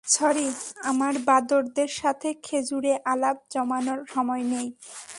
Sorry, আমার বাঁদরদের সাথে খেঁজুরে আলাপ জমানোর সময় নেই।